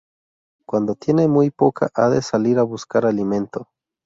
Cuando tiene muy poca, ha de salir a buscar alimento.